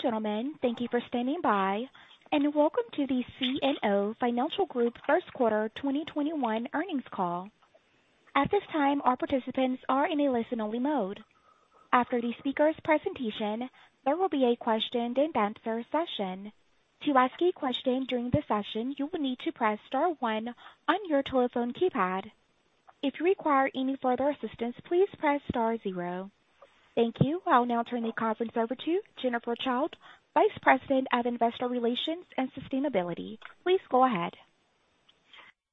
Ladies and gentlemen, thank you for standing by, and welcome to the CNO Financial Group First Quarter 2021 Earnings Call. At this time, all participants are in a listen only mode. After the speaker's presentation, there will be a question and answer session. To ask a question during the session, you will need to press star one on your telephone keypad. If you require any further assistance, please press star zero. Thank you. I'll now turn the conference over to Jennifer Childe, Vice President of Investor Relations and Sustainability. Please go ahead.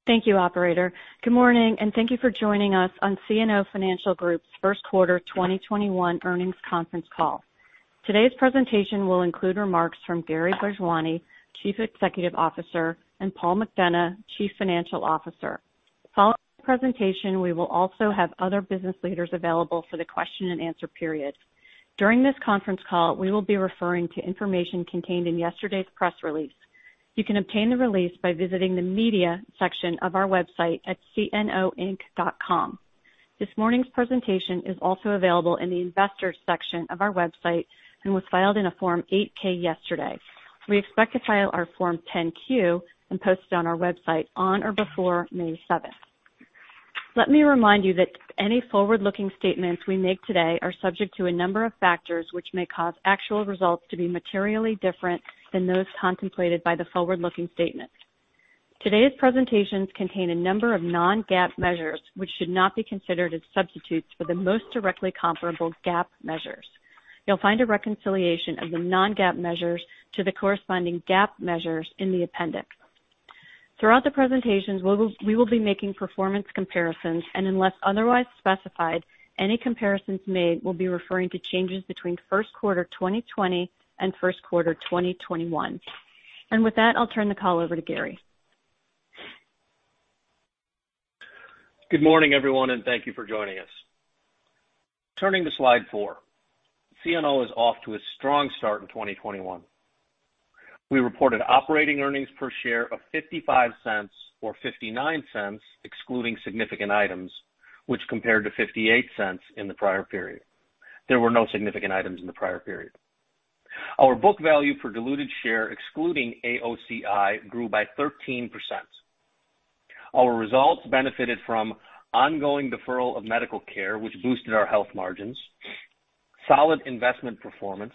Thank you, operator. Good morning, and thank you for joining us on CNO Financial Group's first quarter 2021 earnings conference call. Today's presentation will include remarks from Gary Bhojwani, Chief Executive Officer, and Paul McDonough, Chief Financial Officer. Following the presentation, we will also have other business leaders available for the question and answer period. During this conference call, we will be referring to information contained in yesterday's press release. You can obtain the release by visiting the Media section of our website at cnoinc.com. This morning's presentation is also available in the Investors section of our website and was filed in a Form 8-K yesterday. We expect to file our Form 10-Q and post it on our website on or before May 7th. Let me remind you that any forward-looking statements we make today are subject to a number of factors which may cause actual results to be materially different than those contemplated by the forward-looking statement. Today's presentations contain a number of non-GAAP measures, which should not be considered as substitutes for the most directly comparable GAAP measures. You'll find a reconciliation of the non-GAAP measures to the corresponding GAAP measures in the appendix. Throughout the presentations, we will be making performance comparisons, and unless otherwise specified, any comparisons made will be referring to changes between first quarter 2020 and first quarter 2021. With that, I'll turn the call over to Gary. Good morning, everyone, and thank you for joining us. Turning to slide four. CNO is off to a strong start in 2021. We reported operating earnings per share of $0.55 or $0.59 excluding significant items, which compared to $0.58 in the prior period. There were no significant items in the prior period. Our book value for diluted share excluding AOCI grew by 13%. Our results benefited from ongoing deferral of medical care, which boosted our health margins, solid investment performance,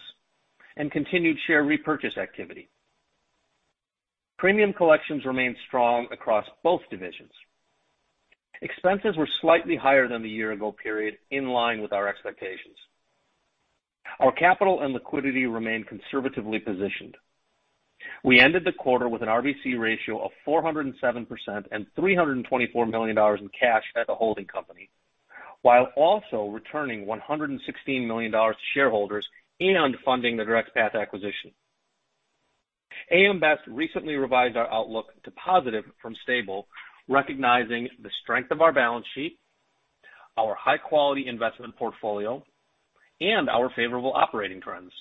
and continued share repurchase activity. Premium collections remained strong across both divisions. Expenses were slightly higher than the year ago period, in line with our expectations. Our capital and liquidity remained conservatively positioned. We ended the quarter with an RBC ratio of 407% and $324 million in cash at the holding company, while also returning $116 million to shareholders and funding the DirectPath acquisition. AM Best recently revised our outlook to positive from stable, recognizing the strength of our balance sheet, our high quality investment portfolio, and our favorable operating trends.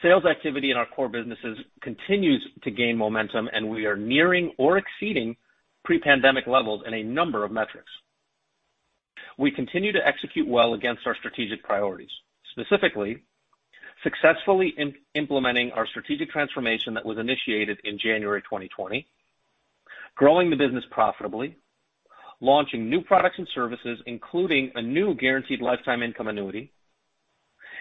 Sales activity in our core businesses continues to gain momentum, and we are nearing or exceeding pre-pandemic levels in a number of metrics. We continue to execute well against our strategic priorities. Specifically, successfully implementing our strategic transformation that was initiated in January 2020, growing the business profitably, launching new products and services, including a new guaranteed lifetime income annuity,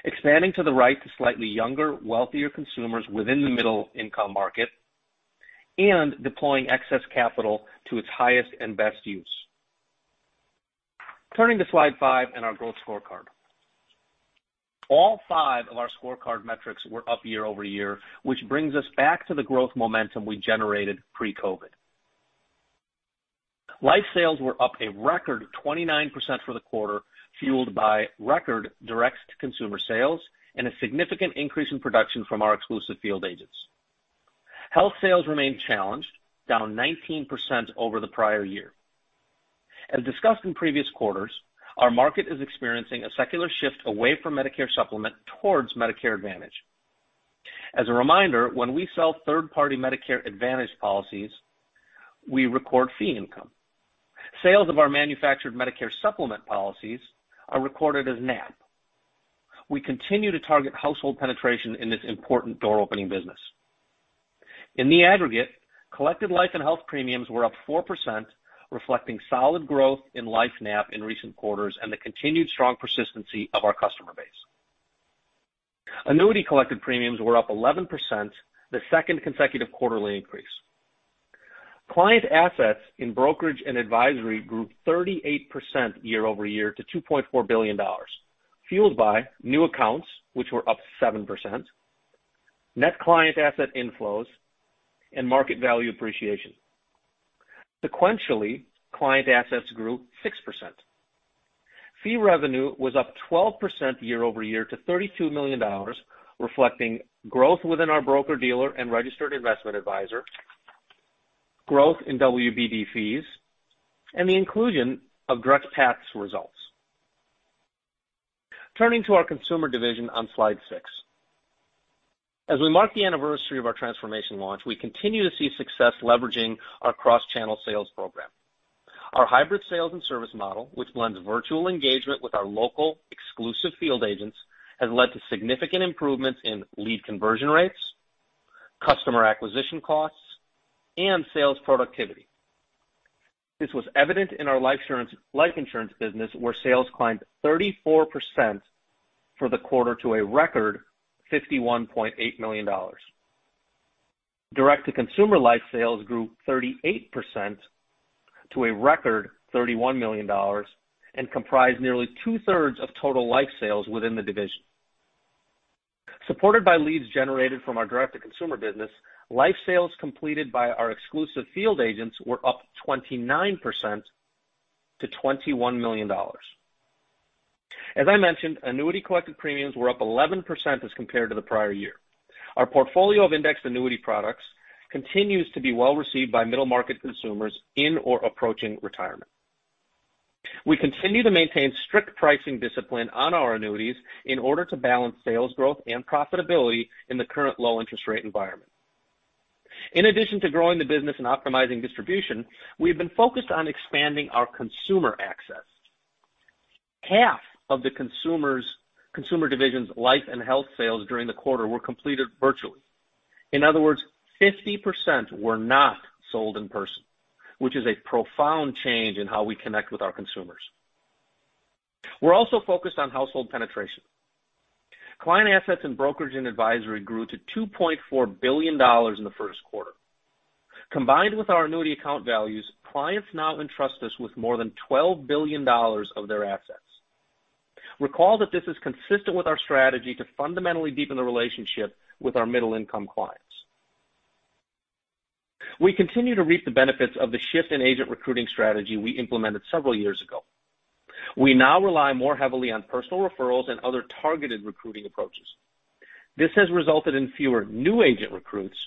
expanding to the right to slightly younger, wealthier consumers within the middle income market, and deploying excess capital to its highest and best use. Turning to slide five and our growth scorecard. All five of our scorecard metrics were up year-over-year, which brings us back to the growth momentum we generated pre-COVID. Life sales were up a record 29% for the quarter, fueled by record direct-to-consumer sales and a significant increase in production from our exclusive field agents. Health sales remained challenged, down 19% over the prior year. As discussed in previous quarters, our market is experiencing a secular shift away from Medicare Supplement towards Medicare Advantage. As a reminder, when we sell third-party Medicare Advantage policies, we record fee income. Sales of our manufactured Medicare Supplement policies are recorded as NAP. We continue to target household penetration in this important door opening business. In the aggregate, collected life and health premiums were up 4%, reflecting solid growth in life NAP in recent quarters and the continued strong persistency of our customer base. Annuity collected premiums were up 11%, the second consecutive quarterly increase. Client assets in brokerage and advisory grew 38% year-over-year to $2.4 billion, fueled by new accounts, which were up 7%, net client asset inflows, and market value appreciation. Sequentially, client assets grew 6%. Fee revenue was up 12% year-over-year to $32 million, reflecting growth within our broker-dealer and registered investment advisor, growth in WBD fees, and the inclusion of DirectPath's results. Turning to our consumer division on slide six. As we mark the anniversary of our transformation launch, we continue to see success leveraging our cross-channel sales program. Our hybrid sales and service model, which blends virtual engagement with our local exclusive field agents, has led to significant improvements in lead conversion rates, customer acquisition costs, and sales productivity. This was evident in our life insurance business, where sales climbed 34% for the quarter to a record $51.8 million. Direct-to-consumer life sales grew 38% to a record $31 million and comprised nearly two-thirds of total life sales within the division. Supported by leads generated from our direct-to-consumer business, life sales completed by our exclusive field agents were up 29% to $21 million. As I mentioned, annuity collected premiums were up 11% as compared to the prior year. Our portfolio of indexed annuity products continues to be well-received by middle-market consumers in or approaching retirement. We continue to maintain strict pricing discipline on our annuities in order to balance sales growth and profitability in the current low-interest-rate environment. In addition to growing the business and optimizing distribution, we have been focused on expanding our consumer access. Half of the consumer division's life and health sales during the quarter were completed virtually. In other words, 50% were not sold in person, which is a profound change in how we connect with our consumers. We're also focused on household penetration. Client assets in brokerage and advisory grew to $2.4 billion in the first quarter. Combined with our annuity account values, clients now entrust us with more than $12 billion of their assets. Recall that this is consistent with our strategy to fundamentally deepen the relationship with our middle-income clients. We continue to reap the benefits of the shift in agent recruiting strategy we implemented several years ago. We now rely more heavily on personal referrals and other targeted recruiting approaches. This has resulted in fewer new agent recruits,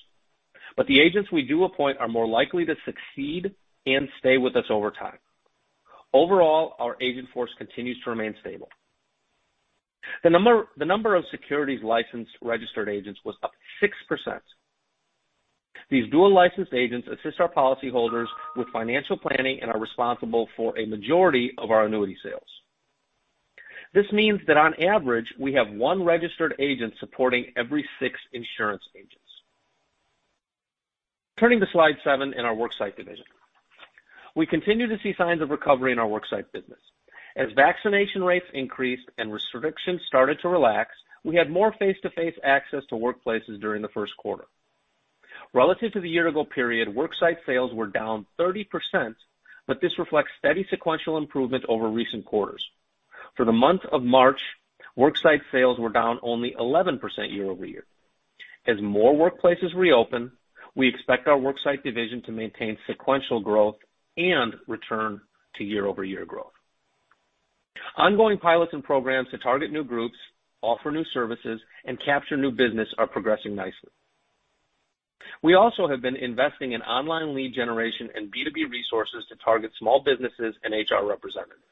but the agents we do appoint are more likely to succeed and stay with us over time. Overall, our agent force continues to remain stable. The number of securities-licensed registered agents was up 6%. These dual-licensed agents assist our policyholders with financial planning and are responsible for a majority of our annuity sales. This means that on average, we have one registered agent supporting every six insurance agents. Turning to slide seven in our Worksite division. We continue to see signs of recovery in our Worksite business. As vaccination rates increased and restrictions started to relax, we had more face-to-face access to workplaces during the first quarter. Relative to the year-ago period, Worksite sales were down 30%, but this reflects steady sequential improvement over recent quarters. For the month of March, Worksite sales were down only 11% year-over-year. As more workplaces reopen, we expect our Worksite division to maintain sequential growth and return to year-over-year growth. Ongoing pilots and programs to target new groups, offer new services, and capture new business are progressing nicely. We also have been investing in online lead generation and B2B resources to target small businesses and HR representatives.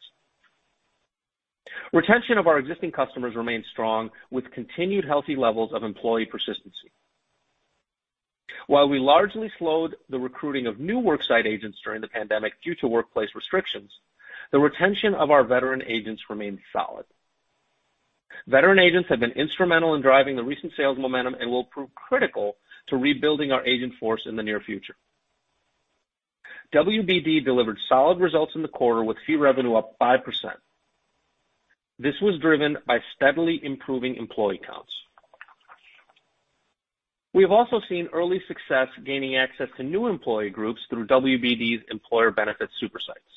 Retention of our existing customers remains strong, with continued healthy levels of employee persistency. While we largely slowed the recruiting of new Worksite agents during the pandemic due to workplace restrictions, the retention of our veteran agents remained solid. Veteran agents have been instrumental in driving the recent sales momentum and will prove critical to rebuilding our agent force in the near future. WBD delivered solid results in the quarter with fee revenue up 5%. This was driven by steadily improving employee counts. We have also seen early success gaining access to new employee groups through WBD's employer benefits super sites.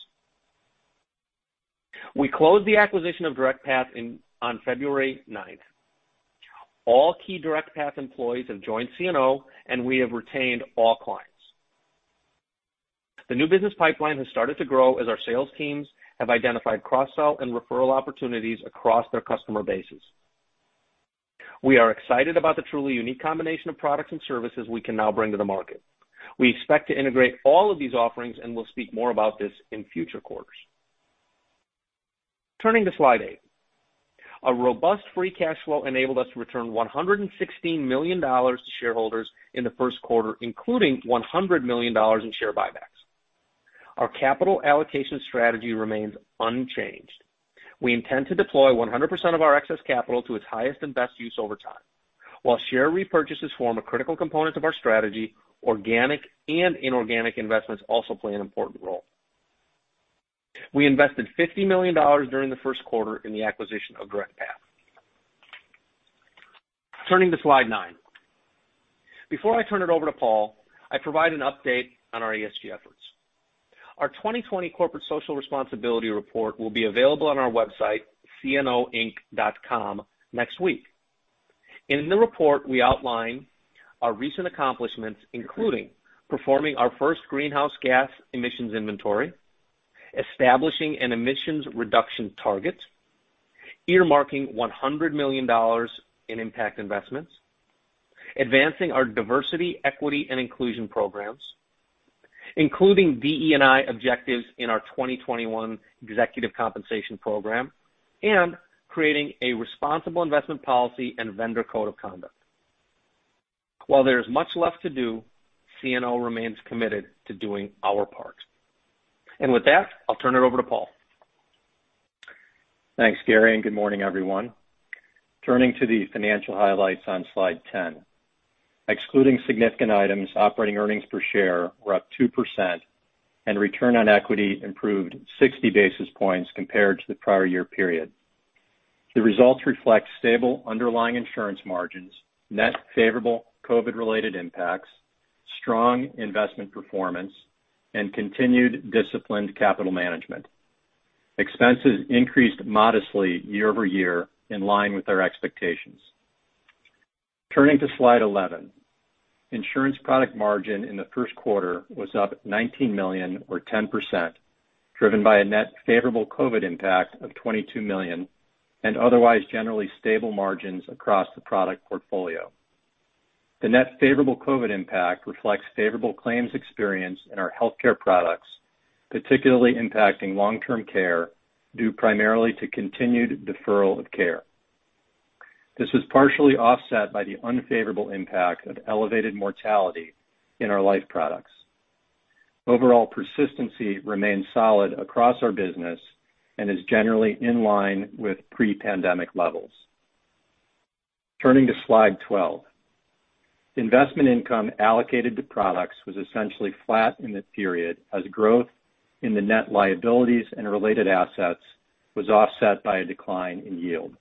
We closed the acquisition of DirectPath on February 9th. All key DirectPath employees have joined CNO, and we have retained all clients. The new business pipeline has started to grow as our sales teams have identified cross-sell and referral opportunities across their customer bases. We are excited about the truly unique combination of products and services we can now bring to the market. We expect to integrate all of these offerings, and we'll speak more about this in future quarters. Turning to slide eight. A robust free cash flow enabled us to return $116 million to shareholders in the first quarter, including $100 million in share buybacks. Our capital allocation strategy remains unchanged. We intend to deploy 100% of our excess capital to its highest and best use over time. While share repurchases form a critical component of our strategy, organic and inorganic investments also play an important role. We invested $50 million during the first quarter in the acquisition of DirectPath. Turning to slide nine. Before I turn it over to Paul, I provide an update on our ESG efforts. Our 2020 Corporate Social Responsibility Report will be available on our website, cnoinc.com, next week. In the report, we outline our recent accomplishments, including performing our first greenhouse gas emissions inventory, establishing an emissions reduction target, earmarking $100 million in impact investments, advancing our diversity, equity, and inclusion programs, including DE&I objectives in our 2021 executive compensation program and creating a responsible investment policy and vendor code of conduct. While there is much left to do, CNO remains committed to doing our part. With that, I'll turn it over to Paul. Thanks, Gary. Good morning, everyone. Turning to the financial highlights on slide 10. Excluding significant items, operating earnings per share were up 2% and return on equity improved 60 basis points compared to the prior year period. The results reflect stable underlying insurance margins, net favorable COVID-related impacts, strong investment performance, and continued disciplined capital management. Expenses increased modestly year-over-year in line with our expectations. Turning to slide 11. Insurance product margin in the first quarter was up $19 million or 10%, driven by a net favorable COVID impact of $22 million, and otherwise generally stable margins across the product portfolio. The net favorable COVID impact reflects favorable claims experience in our healthcare products, particularly impacting long-term care, due primarily to continued deferral of care. This was partially offset by the unfavorable impact of elevated mortality in our life products. Overall persistency remains solid across our business and is generally in line with pre-pandemic levels. Turning to slide 12. Investment income allocated to products was essentially flat in the period as growth in the net liabilities and related assets was offset by a decline in yield.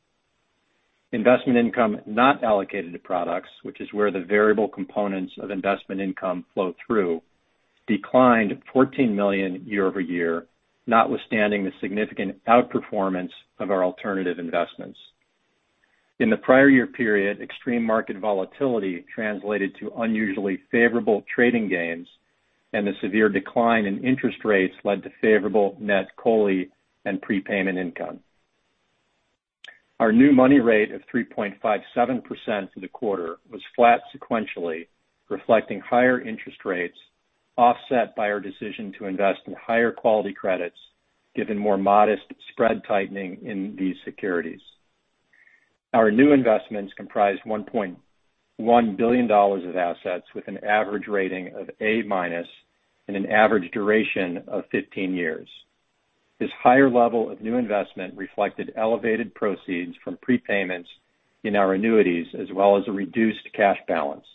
Investment income not allocated to products, which is where the variable components of investment income flow through, declined $14 million year-over-year, notwithstanding the significant outperformance of our alternative investments. In the prior year period, extreme market volatility translated to unusually favorable trading gains, and the severe decline in interest rates led to favorable net COLI and prepayment income. Our new money rate of 3.57% for the quarter was flat sequentially, reflecting higher interest rates offset by our decision to invest in higher quality credits given more modest spread tightening in these securities. Our new investments comprised $1.1 billion of assets with an average rating of A- and an average duration of 15 years. This higher level of new investment reflected elevated proceeds from prepayments in our annuities as well as a reduced cash balance.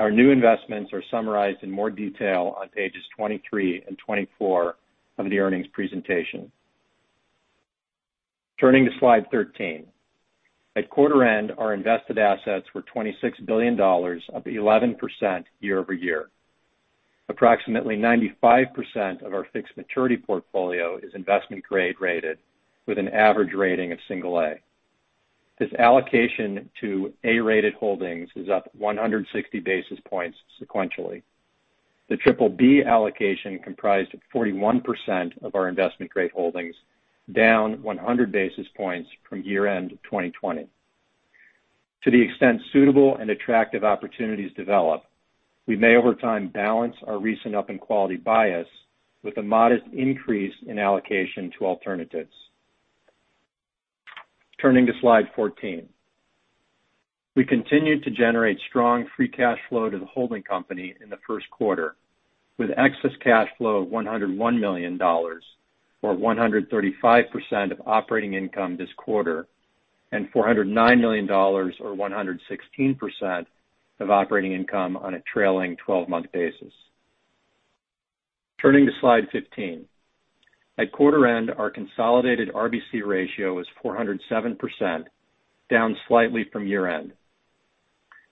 Our new investments are summarized in more detail on pages 23 and 24 of the earnings presentation. Turning to slide 13. At quarter end, our invested assets were $26 billion, up 11% year-over-year. Approximately 95% of our fixed maturity portfolio is investment-grade rated with an average rating of single A. This allocation to A-rated holdings is up 160 basis points sequentially. The BBB allocation comprised 41% of our investment-grade holdings, down 100 basis points from year-end 2020. To the extent suitable and attractive opportunities develop, we may over time balance our recent up in quality bias with a modest increase in allocation to alternatives. Turning to slide 14. We continued to generate strong free cash flow to the holding company in the first quarter, with excess cash flow of $101 million, or 135% of operating income this quarter, and $409 million, or 116% of operating income on a trailing 12-month basis. Turning to slide 15. At quarter end, our consolidated RBC ratio was 407%, down slightly from year end.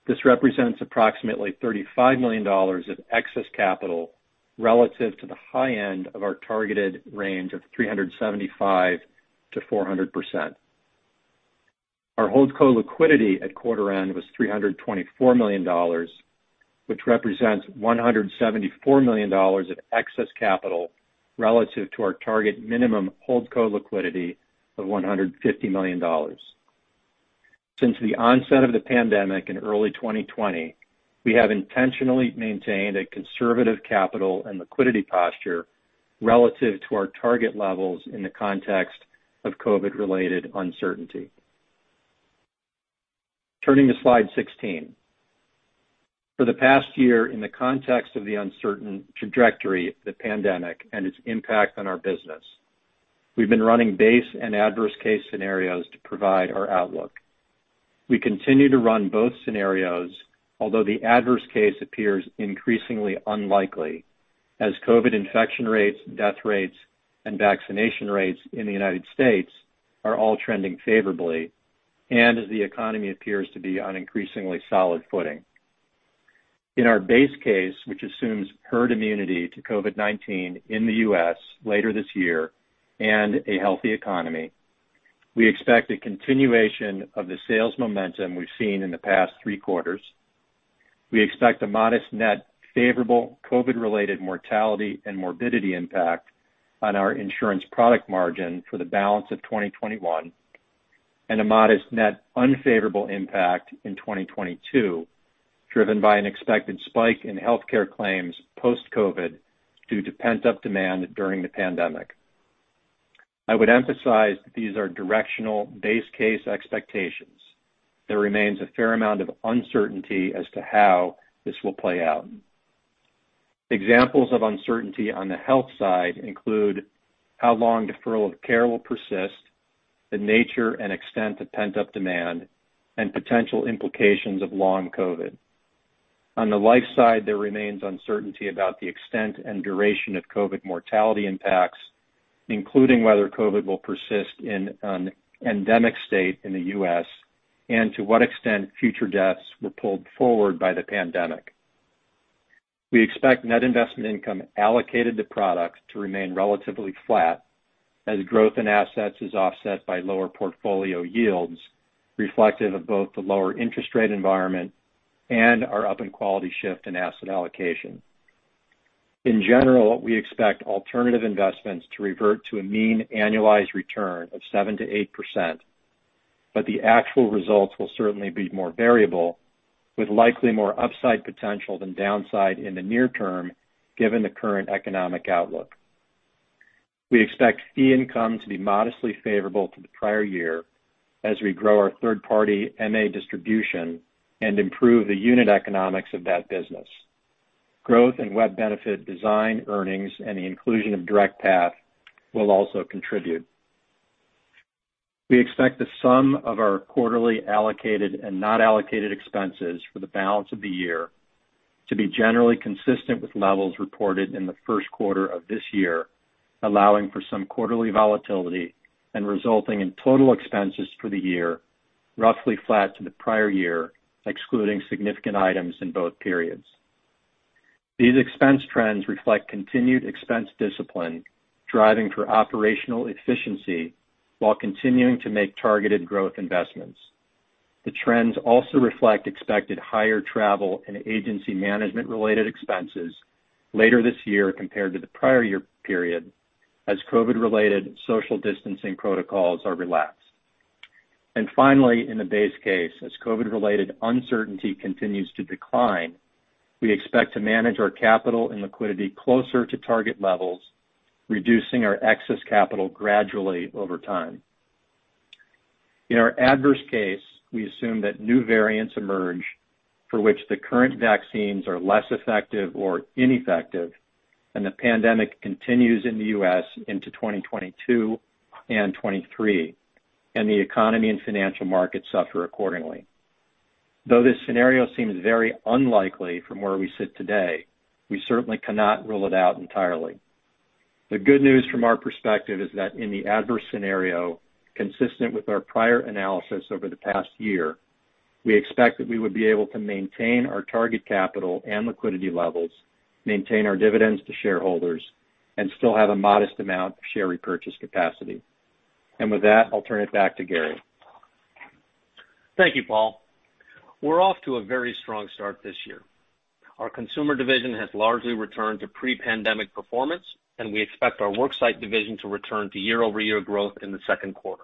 This represents approximately $35 million of excess capital relative to the high end of our targeted range of 375%-400%. Our holdco liquidity at quarter end was $324 million, which represents $174 million of excess capital relative to our target minimum holdco liquidity of $150 million. Since the onset of the pandemic in early 2020, we have intentionally maintained a conservative capital and liquidity posture relative to our target levels in the context of COVID-related uncertainty. Turning to slide 16. For the past year, in the context of the uncertain trajectory of the pandemic and its impact on our business, we've been running base and adverse case scenarios to provide our outlook. We continue to run both scenarios, although the adverse case appears increasingly unlikely as COVID infection rates, death rates, and vaccination rates in the U.S. are all trending favorably, as the economy appears to be on increasingly solid footing. In our base case, which assumes herd immunity to COVID-19 in the U.S. later this year and a healthy economy, we expect a continuation of the sales momentum we've seen in the past three quarters. We expect a modest net favorable COVID-related mortality and morbidity impact on our insurance product margin for the balance of 2021. A modest net unfavorable impact in 2022, driven by an expected spike in healthcare claims post-COVID due to pent-up demand during the pandemic. I would emphasize that these are directional base case expectations. There remains a fair amount of uncertainty as to how this will play out. Examples of uncertainty on the health side include how long deferral of care will persist, the nature and extent of pent-up demand, and potential implications of long COVID. On the life side, there remains uncertainty about the extent and duration of COVID mortality impacts, including whether COVID will persist in an endemic state in the U.S. and to what extent future deaths were pulled forward by the pandemic. We expect net investment income allocated to products to remain relatively flat as growth in assets is offset by lower portfolio yields, reflective of both the lower interest rate environment and our up in quality shift in asset allocation. In general, we expect alternative investments to revert to a mean annualized return of 7%-8%, but the actual results will certainly be more variable, with likely more upside potential than downside in the near term, given the current economic outlook. We expect fee income to be modestly favorable to the prior year as we grow our third-party MA distribution and improve the unit economics of that business. Growth in Web Benefits Design earnings and the inclusion of DirectPath will also contribute. We expect the sum of our quarterly allocated and not allocated expenses for the balance of the year to be generally consistent with levels reported in the first quarter of this year, allowing for some quarterly volatility and resulting in total expenses for the year roughly flat to the prior year, excluding significant items in both periods. These expense trends reflect continued expense discipline, driving for operational efficiency while continuing to make targeted growth investments. The trends also reflect expected higher travel and agency management-related expenses later this year compared to the prior year period, as COVID-related social distancing protocols are relaxed. Finally, in the base case, as COVID-related uncertainty continues to decline, we expect to manage our capital and liquidity closer to target levels, reducing our excess capital gradually over time. In our adverse case, we assume that new variants emerge for which the current vaccines are less effective or ineffective, the pandemic continues in the U.S. into 2022 and 2023, and the economy and financial markets suffer accordingly. Though this scenario seems very unlikely from where we sit today, we certainly cannot rule it out entirely. The good news from our perspective is that in the adverse scenario, consistent with our prior analysis over the past year, we expect that we would be able to maintain our target capital and liquidity levels, maintain our dividends to shareholders, and still have a modest amount of share repurchase capacity. With that, I'll turn it back to Gary. Thank you, Paul. We're off to a very strong start this year. Our consumer division has largely returned to pre-pandemic performance, and we expect our worksite division to return to year-over-year growth in the second quarter.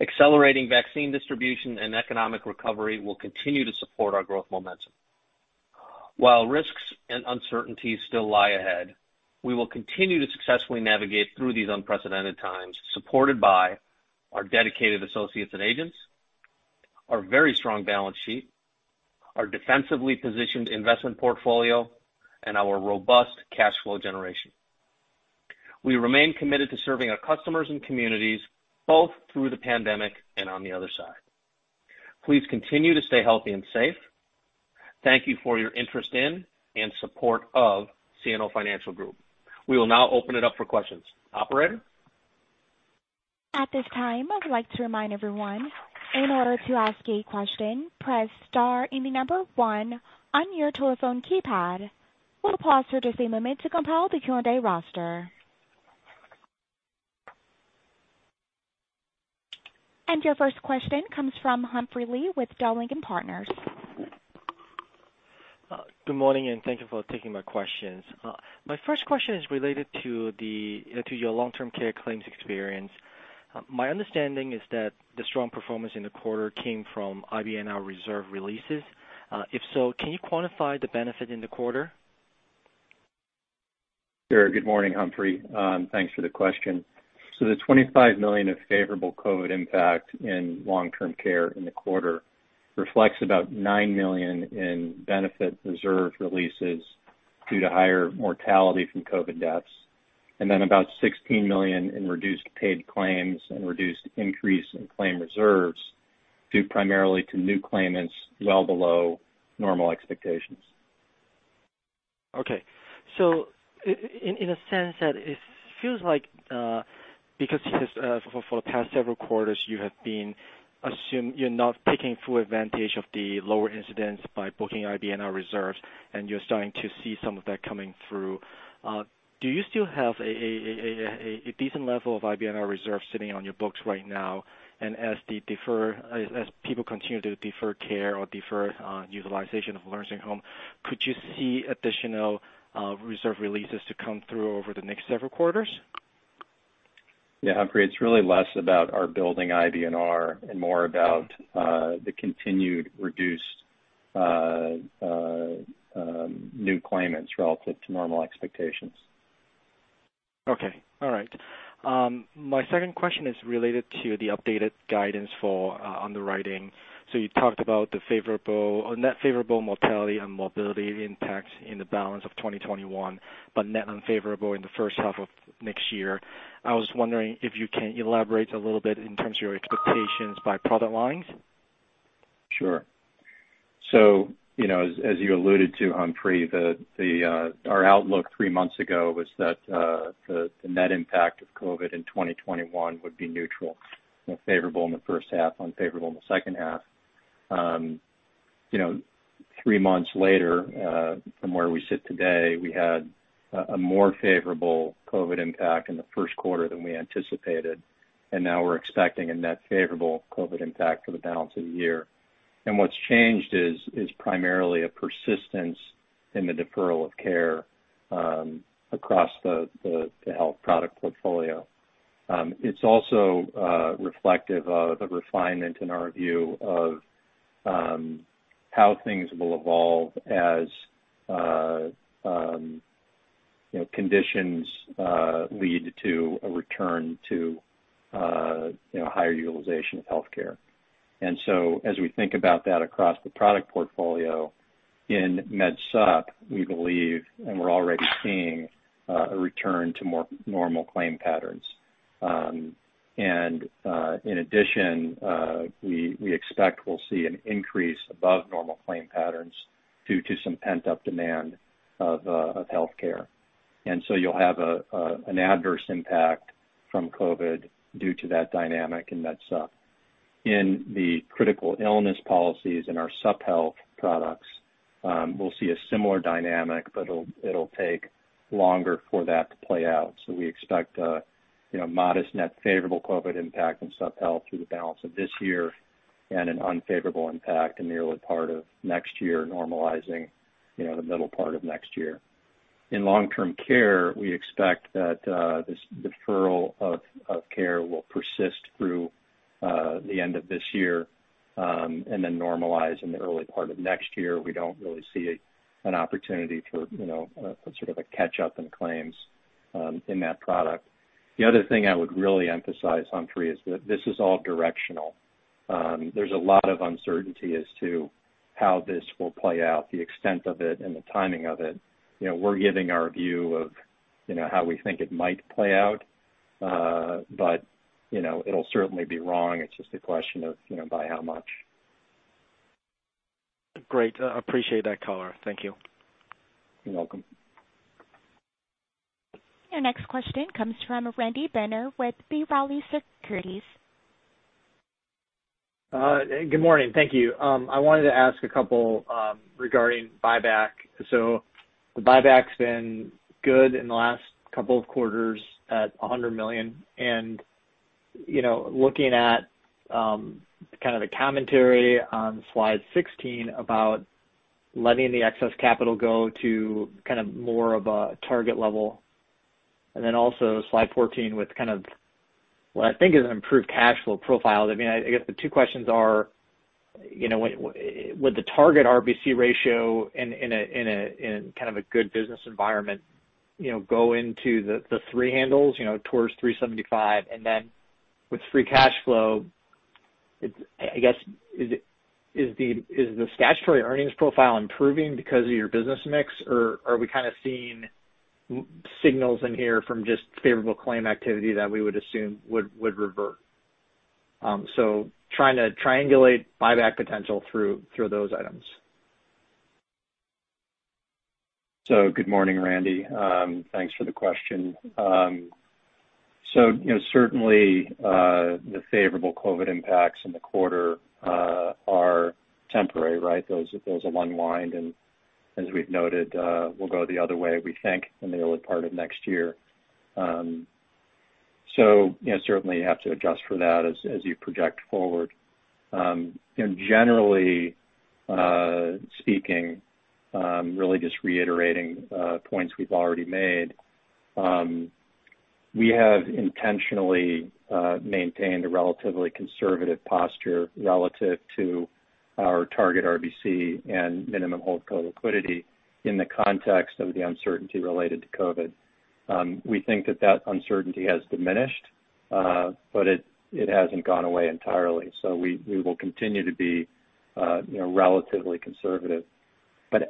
Accelerating vaccine distribution and economic recovery will continue to support our growth momentum. While risks and uncertainties still lie ahead, we will continue to successfully navigate through these unprecedented times, supported by our dedicated associates and agents, our very strong balance sheet, our defensively positioned investment portfolio, and our robust cash flow generation. We remain committed to serving our customers and communities, both through the pandemic and on the other side. Please continue to stay healthy and safe. Thank you for your interest in and support of CNO Financial Group. We will now open it up for questions. Operator? At this time, I would like to remind everyone, in order to ask a question, press star and the number 1 on your telephone keypad. We'll pause for just a moment to compile the Q&A roster. Your first question comes from Humphrey Lee with Dowling & Partners. Good morning, and thank you for taking my questions. My first question is related to your long-term care claims experience. My understanding is that the strong performance in the quarter came from IBNR reserve releases. If so, can you quantify the benefit in the quarter? Sure. Good morning, Humphrey. Thanks for the question. The $25 million of favorable COVID impact in long-term care in the quarter reflects about $9 million in benefit reserve releases due to higher mortality from COVID deaths, and then about $16 million in reduced paid claims and reduced increase in claim reserves, due primarily to new claimants well below normal expectations. Okay. In a sense that it feels like because for the past several quarters, you have been assumed you're not taking full advantage of the lower incidents by booking IBNR reserves, and you're starting to see some of that coming through. Do you still have a decent level of IBNR reserves sitting on your books right now? As people continue to defer care or defer utilization of a nursing home, could you see additional reserve releases to come through over the next several quarters? Yeah, Humphrey, it's really less about our building IBNR and more about the continued reduced new claimants relative to normal expectations. Okay. All right. My second question is related to the updated guidance for underwriting. You talked about the net favorable mortality and morbidity impacts in the balance of 2021, but net unfavorable in the first half of next year. I was wondering if you can elaborate a little bit in terms of your expectations by product lines. Sure. As you alluded to, Humphrey, our outlook three months ago was that the net impact of COVID in 2021 would be neutral. Favorable in the first half, unfavorable in the second half. Three months later, from where we sit today, we had a more favorable COVID impact in the first quarter than we anticipated, now we're expecting a net favorable COVID impact for the balance of the year. What's changed is primarily a persistence in the deferral of care across the health product portfolio. It's also reflective of a refinement in our view of how things will evolve as conditions lead to a return to higher utilization of healthcare. As we think about that across the product portfolio, in Med Supp, we believe, and we're already seeing a return to more normal claim patterns. In addition, we expect we'll see an increase above normal claim patterns due to some pent-up demand of healthcare. You'll have an adverse impact from COVID due to that dynamic in Med Supp. In the critical illness policies in our Supp Health products, we'll see a similar dynamic, but it'll take longer for that to play out. We expect a modest net favorable COVID impact in Supp Health through the balance of this year and an unfavorable impact in the early part of next year, normalizing the middle part of next year. In long-term care, we expect that this deferral of care will persist through the end of this year, then normalize in the early part of next year. We don't really see an opportunity for sort of a catch-up in claims in that product. The other thing I would really emphasize, Humphrey, is that this is all directional. There's a lot of uncertainty as to how this will play out, the extent of it and the timing of it. We're giving our view of how we think it might play out. It'll certainly be wrong. It's just a question of by how much. Great. I appreciate that color. Thank you. You're welcome. Your next question comes from Randy Binner with B. Riley Securities. Good morning. Thank you. I wanted to ask a couple regarding buyback. The buyback's been good in the last couple of quarters at $100 million, and looking at kind of the commentary on slide 16 about letting the excess capital go to kind of more of a target level, and also slide 14 with kind of what I think is an improved cash flow profile. I guess the two questions are, would the target RBC ratio in kind of a good business environment go into the three handles, towards 375? With free cash flow, I guess, is the statutory earnings profile improving because of your business mix, or are we kind of seeing signals in here from just favorable claim activity that we would assume would revert? Trying to triangulate buyback potential through those items. Good morning, Randy. Thanks for the question. Certainly, the favorable COVID impacts in the quarter are temporary, right? Those will unwind and as we've noted, will go the other way, we think, in the early part of next year. Certainly, you have to adjust for that as you project forward. Generally speaking, really just reiterating points we've already made, we have intentionally maintained a relatively conservative posture relative to our target RBC and minimum holdco liquidity in the context of the uncertainty related to COVID. We think that that uncertainty has diminished, but it hasn't gone away entirely, so we will continue to be relatively conservative.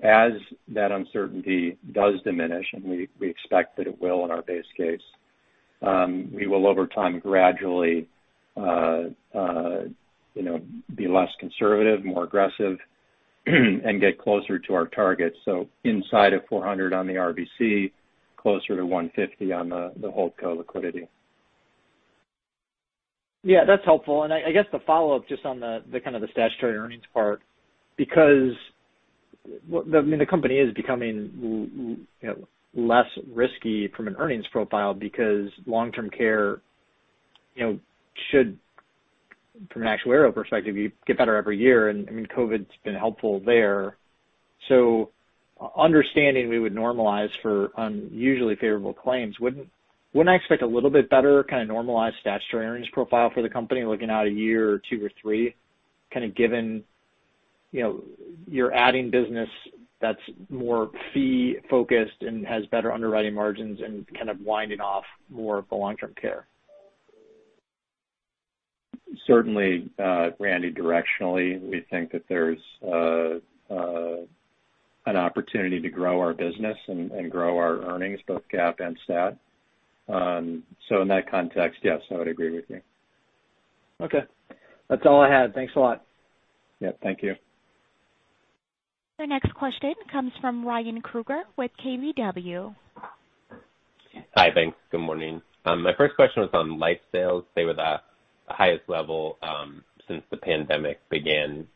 As that uncertainty does diminish, and we expect that it will in our base case, we will, over time, gradually be less conservative, more aggressive, and get closer to our target. Inside of 400 on the RBC, closer to 150 on the holdco liquidity. Yeah, that's helpful. I guess the follow-up just on the kind of the statutory earnings part, because the company is becoming less risky from an earnings profile because long-term care should From an actuarial perspective, you get better every year, and COVID's been helpful there. Understanding we would normalize for unusually favorable claims, wouldn't I expect a little bit better kind of normalized statutory earnings profile for the company looking out a year or two or three, kind of given you're adding business that's more fee-focused and has better underwriting margins and kind of winding off more of the long-term care? Certainly, Randy, directionally, we think that there's an opportunity to grow our business and grow our earnings, both GAAP and STAT. In that context, yes, I would agree with you. Okay. That's all I had. Thanks a lot. Yep. Thank you. The next question comes from Ryan Krueger with KBW. Hi, thanks. Good morning. My first question was on life sales. They were the highest level since the pandemic began.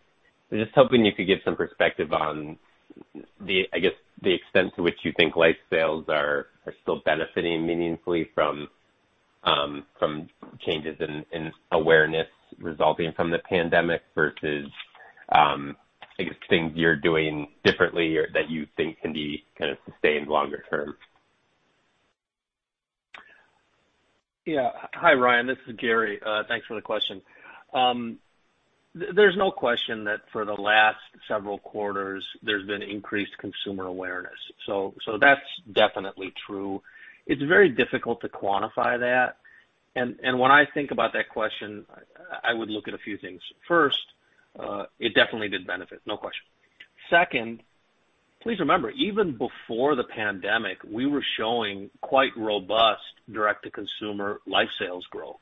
I was just hoping you could give some perspective on the extent to which you think life sales are still benefiting meaningfully from changes in awareness resulting from the pandemic versus things you're doing differently or that you think can be kind of sustained longer term. Hi, Ryan. This is Gary. Thanks for the question. There's no question that for the last several quarters, there's been increased consumer awareness. That's definitely true. It's very difficult to quantify that. When I think about that question, I would look at a few things. First, it definitely did benefit, no question. Second, please remember, even before the pandemic, we were showing quite robust direct-to-consumer life sales growth.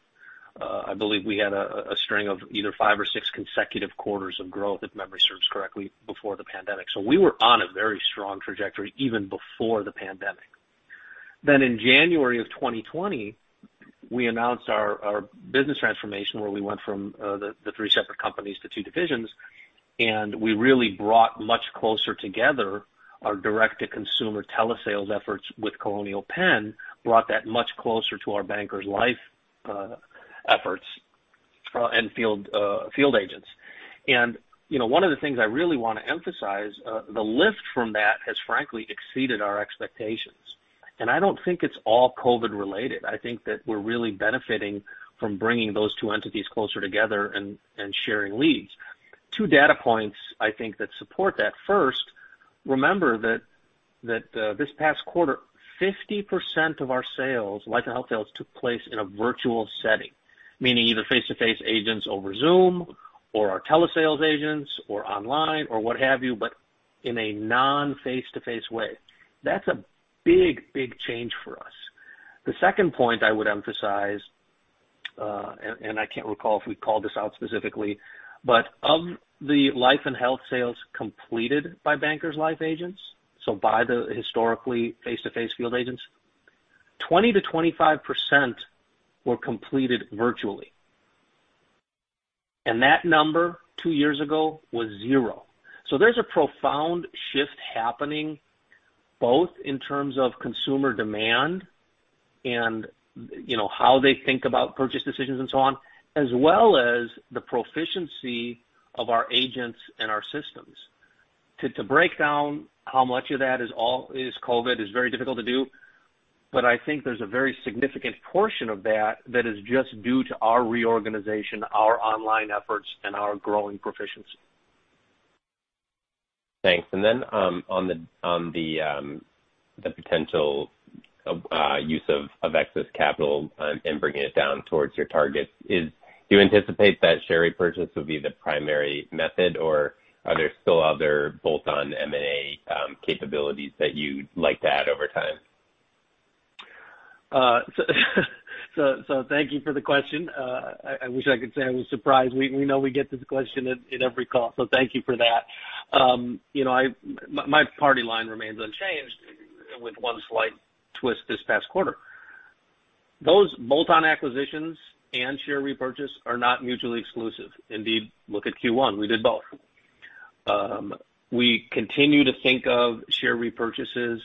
I believe we had a string of either five or six consecutive quarters of growth, if memory serves correctly, before the pandemic. We were on a very strong trajectory even before the pandemic. In January of 2020, we announced our business transformation, where we went from the three separate companies to two divisions, and we really brought much closer together our direct-to-consumer telesales efforts with Colonial Penn, brought that much closer to our Bankers Life efforts and field agents. One of the things I really want to emphasize, the lift from that has frankly exceeded our expectations. I don't think it's all COVID related. I think that we're really benefiting from bringing those two entities closer together and sharing leads. Two data points I think that support that. First, remember that this past quarter, 50% of our life and health sales took place in a virtual setting, meaning either face-to-face agents over Zoom or our telesales agents or online or what have you, but in a non-face-to-face way. That's a big change for us. The second point I would emphasize, I can't recall if we called this out specifically, but of the life and health sales completed by Bankers Life agents, so by the historically face-to-face field agents, 20%-25% were completed virtually. That number two years ago was zero. There's a profound shift happening, both in terms of consumer demand and how they think about purchase decisions and so on, as well as the proficiency of our agents and our systems. To break down how much of that is COVID is very difficult to do, but I think there's a very significant portion of that that is just due to our reorganization, our online efforts, and our growing proficiency. Thanks. On the potential use of excess capital and bringing it down towards your targets, do you anticipate that share repurchase will be the primary method, or are there still other bolt-on M&A capabilities that you'd like to add over time? Thank you for the question. I wish I could say I was surprised. We know we get this question in every call. Thank you for that. My party line remains unchanged with one slight twist this past quarter. Those bolt-on acquisitions and share repurchase are not mutually exclusive. Indeed, look at Q1. We did both. We continue to think of share repurchases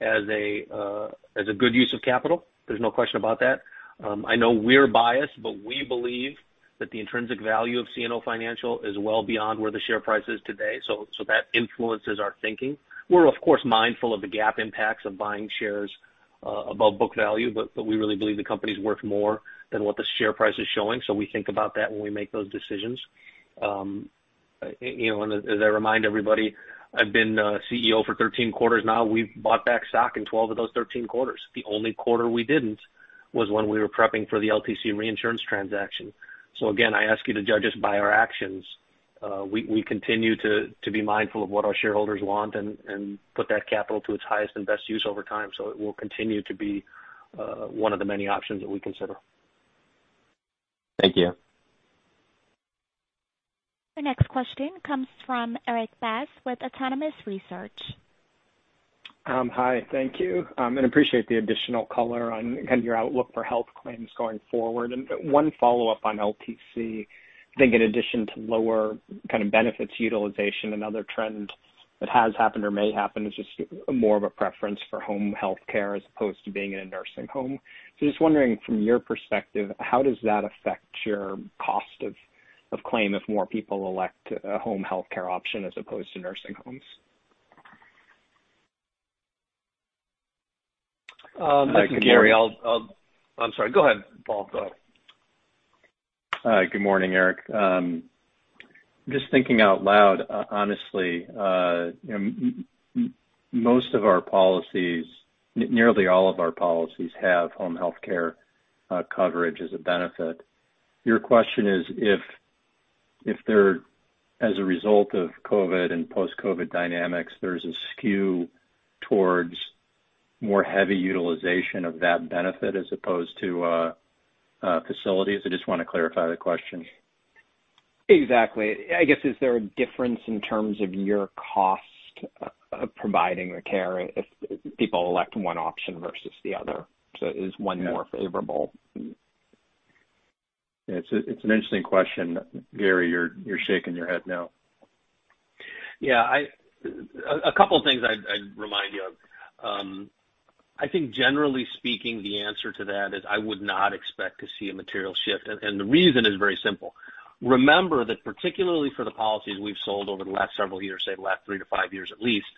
as a good use of capital. There's no question about that. I know we're biased, but we believe that the intrinsic value of CNO Financial is well beyond where the share price is today. That influences our thinking. We're of course mindful of the GAAP impacts of buying shares above book value. We really believe the company's worth more than what the share price is showing. We think about that when we make those decisions. As I remind everybody, I've been CEO for 13 quarters now. We've bought back stock in 12 of those 13 quarters. The only quarter we didn't was when we were prepping for the LTC reinsurance transaction. Again, I ask you to judge us by our actions. We continue to be mindful of what our shareholders want and put that capital to its highest and best use over time. It will continue to be one of the many options that we consider. Thank you. The next question comes from Erik Bass with Autonomous Research. Hi. Thank you, and appreciate the additional color on kind of your outlook for health claims going forward. One follow-up on LTC. I think in addition to lower kind of benefits utilization, another trend that has happened or may happen is just more of a preference for home health care as opposed to being in a nursing home. Just wondering from your perspective, how does that affect your cost of claim if more people elect a home health care option as opposed to nursing homes? Good morning. I can hear you. I'm sorry, go ahead, Paul. Go ahead. Good morning, Erik. Just thinking out loud, honestly, most of our policies, nearly all of our policies have home health care coverage as a benefit. Your question is if there, as a result of COVID and post-COVID dynamics, there's a skew towards more heavy utilization of that benefit as opposed to facilities? I just want to clarify the question. Exactly. I guess, is there a difference in terms of your cost of providing the care if people elect one option versus the other? Is one more favorable? It's an interesting question. Gary, you're shaking your head no. Yeah. A couple of things I'd remind you of. I think generally speaking, the answer to that is I would not expect to see a material shift. The reason is very simple. Remember that particularly for the policies we've sold over the last several years, say the last three to five years at least,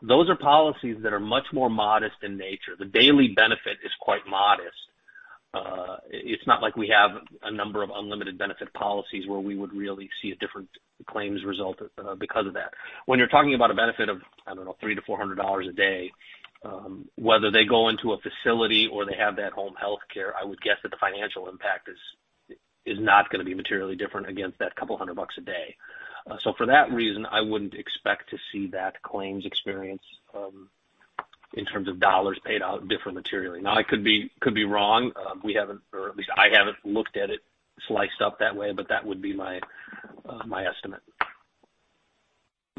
those are policies that are much more modest in nature. The daily benefit is quite modest. It's not like we have a number of unlimited benefit policies where we would really see a different claims result because of that. When you're talking about a benefit of, I don't know, $300-$400 a day, whether they go into a facility or they have that home healthcare, I would guess that the financial impact is not going to be materially different against that couple hundred $ a day. For that reason, I wouldn't expect to see that claims experience in terms of $ paid out differ materially. Now, I could be wrong. We haven't, or at least I haven't looked at it sliced up that way, but that would be my estimate.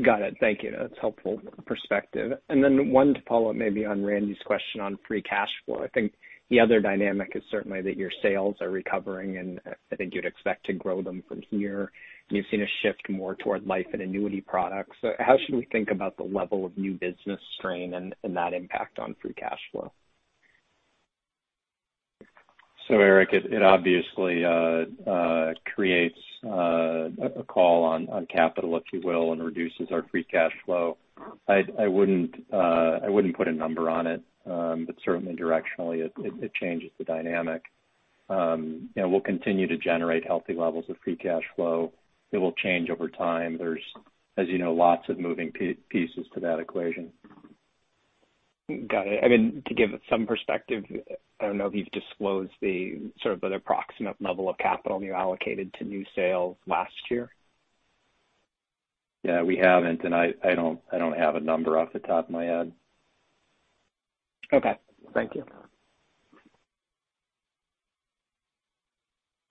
Got it. Thank you. That's helpful perspective. One to follow up maybe on Randy's question on free cash flow. I think the other dynamic is certainly that your sales are recovering, and I think you'd expect to grow them from here, and you've seen a shift more toward life and annuity products. How should we think about the level of new business strain and that impact on free cash flow? Erik, it obviously creates a call on capital, if you will, and reduces our free cash flow. I wouldn't put a number on it. Certainly directionally, it changes the dynamic. We'll continue to generate healthy levels of free cash flow. It will change over time. There's, as you know, lots of moving pieces to that equation. Got it. To give some perspective, I don't know if you've disclosed the sort of an approximate level of capital you allocated to new sales last year. We haven't, I don't have a number off the top of my head. Thank you.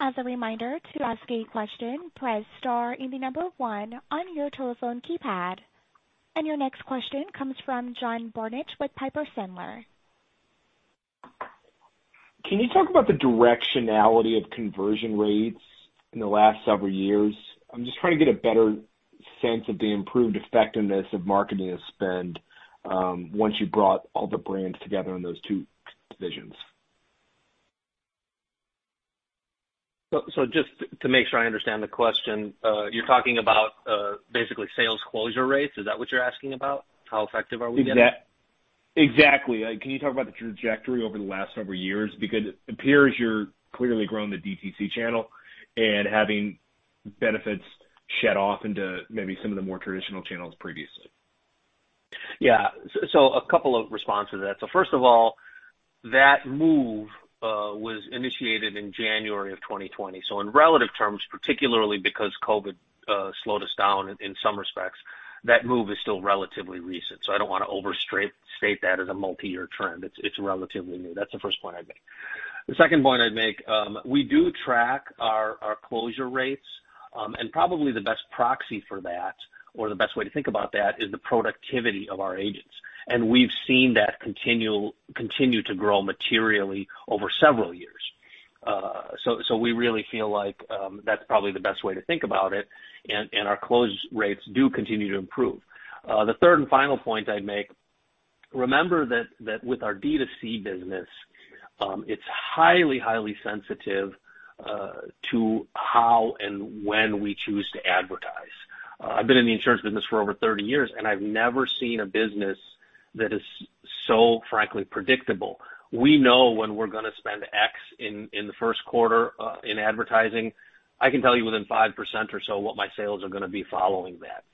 As a reminder, to ask a question, press star and the number one on your telephone keypad. Your next question comes from John Barnidge with Piper Sandler. Can you talk about the directionality of conversion rates in the last several years? I'm just trying to get a better sense of the improved effectiveness of marketing and spend once you brought all the brands together in those two divisions. Just to make sure I understand the question, you're talking about basically sales closure rates? Is that what you're asking about? How effective are we getting? Exactly. Can you talk about the trajectory over the last several years? It appears you're clearly growing the DTC channel and having benefits shed off into maybe some of the more traditional channels previously. Yeah. A couple of responses to that. First of all, that move was initiated in January of 2020. In relative terms, particularly because COVID slowed us down in some respects, that move is still relatively recent. I don't want to overstate that as a multi-year trend. It's relatively new. That's the first point I'd make. The second point I'd make, we do track our closure rates, and probably the best proxy for that or the best way to think about that is the productivity of our agents. We've seen that continue to grow materially over several years. We really feel like that's probably the best way to think about it, and our close rates do continue to improve. The third and final point I'd make, remember that with our D2C business, it's highly sensitive to how and when we choose to advertise. I've been in the insurance business for over 30 years, and I've never seen a business that is so frankly predictable. We know when we're going to spend X in the first quarter in advertising. I can tell you within 5% or so what my sales are going to be following that.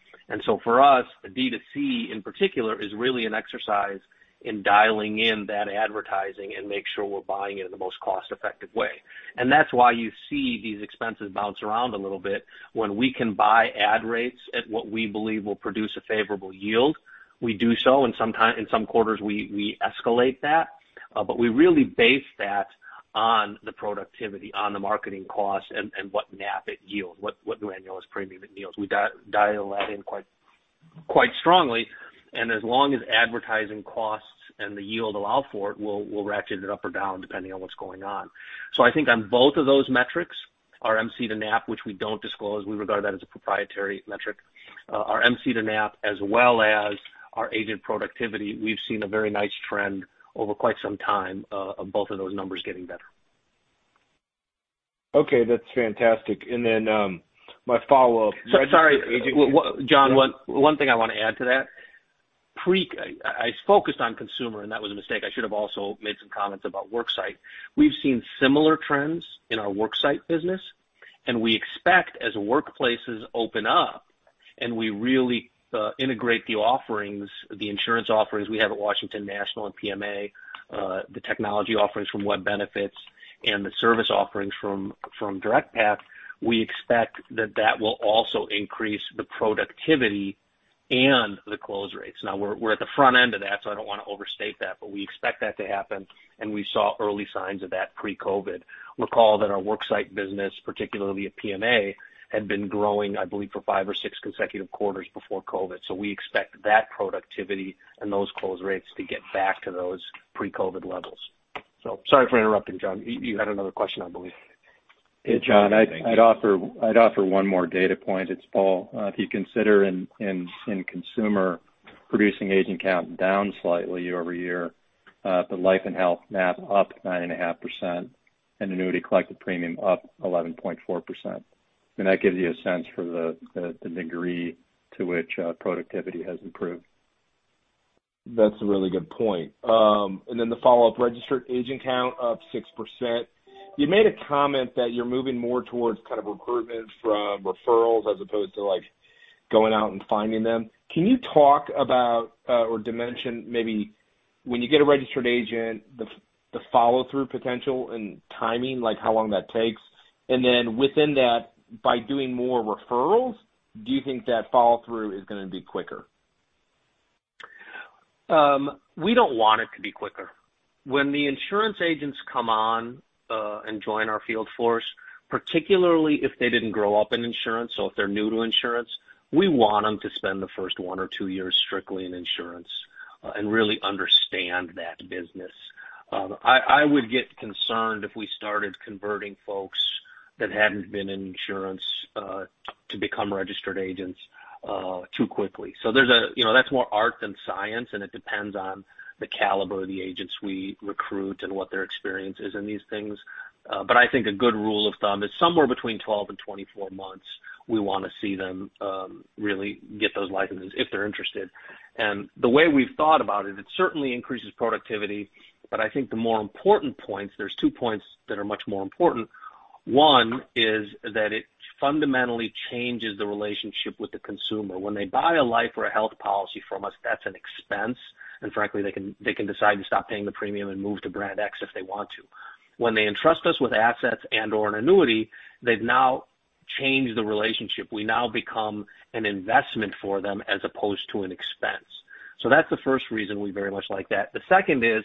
For us, D2C in particular is really an exercise in dialing in that advertising and make sure we're buying it in the most cost-effective way. That's why you see these expenses bounce around a little bit. When we can buy ad rates at what we believe will produce a favorable yield, we do so, and in some quarters, we escalate that. We really base that on the productivity, on the marketing cost and what NAP it yields, what the annual premium it yields. We dial that in quite strongly, and as long as advertising costs and the yield allow for it, we'll ratchet it up or down depending on what's going on. I think on both of those metrics, our MC to NAP, which we don't disclose, we regard that as a proprietary metric. Our MC to NAP as well as our agent productivity, we've seen a very nice trend over quite some time of both of those numbers getting better. Okay, that's fantastic. My follow-up- Sorry, John. One thing I want to add to that. I focused on consumer, and that was a mistake. I should have also made some comments about worksite. We've seen similar trends in our worksite business, and we expect as workplaces open up and we really integrate the insurance offerings we have at Washington National and PMA, the technology offerings from Web Benefits and the service offerings from DirectPath, we expect that that will also increase the productivity and the close rates. Now we're at the front end of that, so I don't want to overstate that, but we expect that to happen, and we saw early signs of that pre-COVID. Recall that our worksite business, particularly at PMA, had been growing, I believe, for five or six consecutive quarters before COVID. We expect that productivity and those close rates to get back to those pre-COVID levels. Sorry for interrupting, John. You had another question, I believe. Hey, John, I'd offer one more data point. It's Paul. If you consider in consumer producing agent count down slightly year-over-year, but life and health NAV up 9.5% and annuity collected premium up 11.4%, that gives you a sense for the degree to which productivity has improved. That's a really good point. The follow-up registered agent count up 6%. You made a comment that you're moving more towards kind of recruitment from referrals as opposed to going out and finding them. Can you talk about or dimension maybe when you get a registered agent, the follow-through potential and timing, like how long that takes? Within that, by doing more referrals, do you think that follow-through is going to be quicker? We don't want it to be quicker. When the insurance agents come on and join our field force, particularly if they didn't grow up in insurance or if they're new to insurance, we want them to spend the first one or two years strictly in insurance and really understand that business. I would get concerned if we started converting folks that hadn't been in insurance to become registered agents too quickly. That's more art than science, and it depends on the caliber of the agents we recruit and what their experience is in these things. I think a good rule of thumb is somewhere between 12 and 24 months, we want to see them really get those licenses if they're interested. The way we've thought about it certainly increases productivity. I think the more important points, there's two points that are much more important. One is that it fundamentally changes the relationship with the consumer. When they buy a life or a health policy from us, that's an expense. Frankly, they can decide to stop paying the premium and move to brand X if they want to. When they entrust us with assets and or an annuity, they've now changed the relationship. We now become an investment for them as opposed to an expense. That's the first reason we very much like that. The second is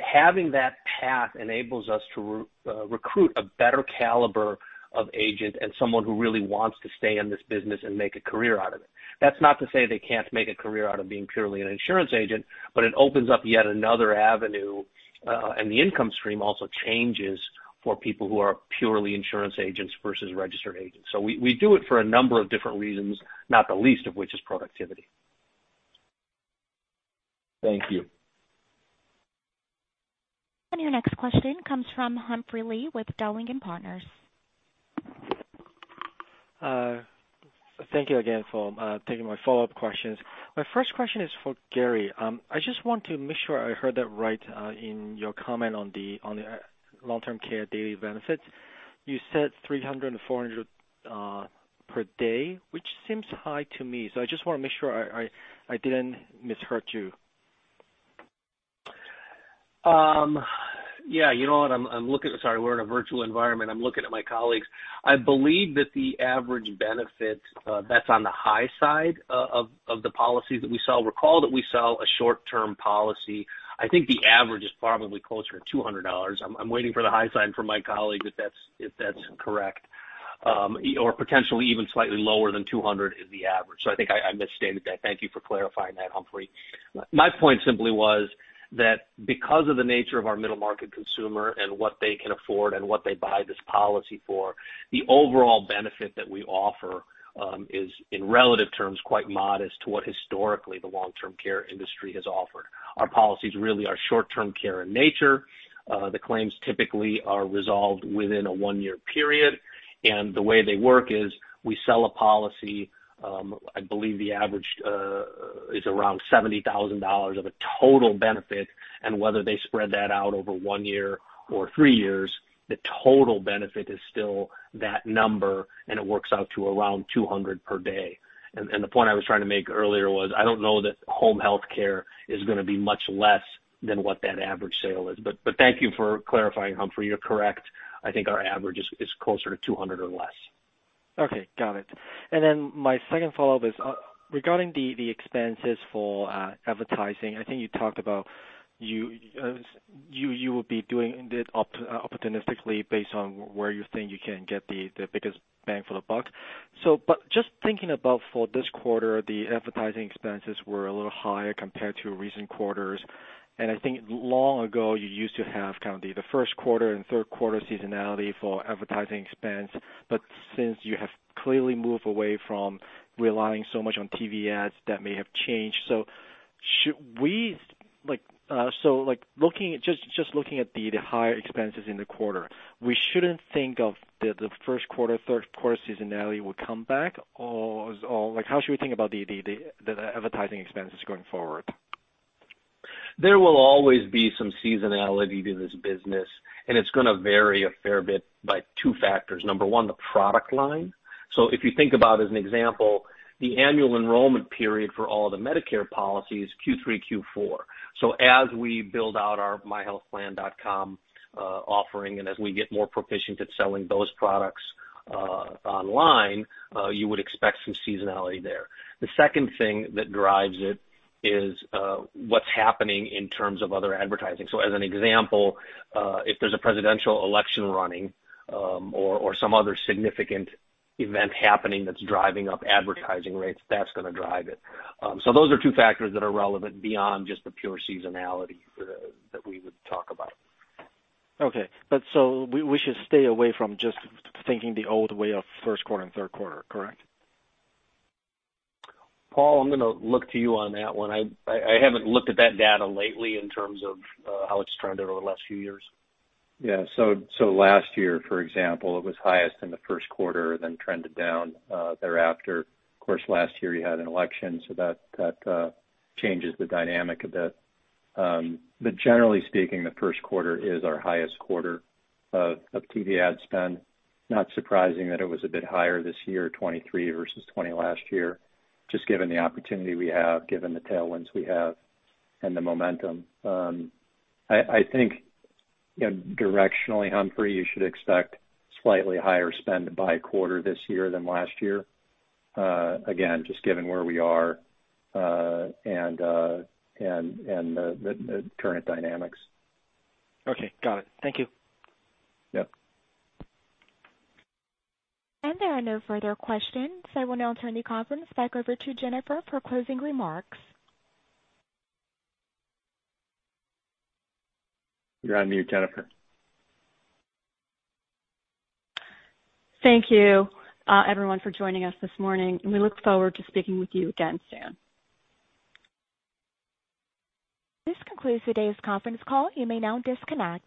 having that path enables us to recruit a better caliber of agent and someone who really wants to stay in this business and make a career out of it. That's not to say they can't make a career out of being purely an insurance agent, it opens up yet another avenue, the income stream also changes for people who are purely insurance agents versus registered agents. We do it for a number of different reasons, not the least of which is productivity. Thank you. Your next question comes from Humphrey Lee with Dowling & Partners. Thank you again for taking my follow-up questions. My first question is for Gary. I just want to make sure I heard that right in your comment on the long-term care daily benefits. You said $300 and $400 per day, which seems high to me. I just want to make sure I didn't misheard you. You know what I'm looking at. Sorry, we're in a virtual environment. I'm looking at my colleagues. I believe that the average benefit that's on the high side of the policies that we sell. Recall that we sell a short-term policy. I think the average is probably closer to $200. I'm waiting for the high sign from my colleague if that's correct. Potentially even slightly lower than $200 is the average. I think I misstated that. Thank you for clarifying that, Humphrey. My point simply was that because of the nature of our middle market consumer and what they can afford and what they buy this policy for, the overall benefit that we offer is, in relative terms, quite modest to what historically the long-term care industry has offered. Our policies really are short-term care in nature. The claims typically are resolved within a one-year period. The way they work is we sell a policy. I believe the average is around $70,000 of a total benefit, whether they spread that out over one year or three years, the total benefit is still that number, and it works out to around $200 per day. The point I was trying to make earlier was, I don't know that home health care is going to be much less than what that average sale is. Thank you for clarifying, Humphrey. You're correct. I think our average is closer to $200 or less. Okay, got it. My second follow-up is regarding the expenses for advertising. I think you talked about you will be doing it opportunistically based on where you think you can get the biggest bang for the buck. Just thinking about for this quarter, the advertising expenses were a little higher compared to recent quarters. I think long ago you used to have kind of the first quarter and third quarter seasonality for advertising expense. Since you have clearly moved away from relying so much on TV ads, that may have changed. Just looking at the higher expenses in the quarter, we shouldn't think of the first quarter, third quarter seasonality will come back, or how should we think about the advertising expenses going forward? There will always be some seasonality to this business, and it's going to vary a fair bit by two factors. Number one, the product line. If you think about as an example, the annual enrollment period for all the Medicare policies, Q3, Q4. As we build out our myhealthpolicy.com offering, and as we get more proficient at selling those products online, you would expect some seasonality there. The second thing that drives it is what's happening in terms of other advertising. As an example, if there's a presidential election running, or some other significant event happening that's driving up advertising rates, that's going to drive it. Those are two factors that are relevant beyond just the pure seasonality that we would talk about. Okay. We should stay away from just thinking the old way of first quarter and third quarter, correct? Paul, I'm going to look to you on that one. I haven't looked at that data lately in terms of how it's trended over the last few years. Last year, for example, it was highest in the first quarter, then trended down thereafter. Of course, last year you had an election, that changes the dynamic a bit. Generally speaking, the first quarter is our highest quarter of TV ad spend. Not surprising that it was a bit higher this year, 23 versus 20 last year, just given the opportunity we have, given the tailwinds we have and the momentum. I think directionally, Humphrey, you should expect slightly higher spend by quarter this year than last year. Just given where we are, and the current dynamics. Okay. Got it. Thank you. Yep. There are no further questions. I will now turn the conference back over to Jennifer for closing remarks. You're on mute, Jennifer. Thank you, everyone for joining us this morning, and we look forward to speaking with you again soon. This concludes today's conference call. You may now disconnect.